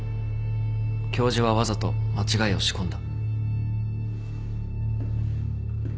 教授はわざと間違いを仕込んだ。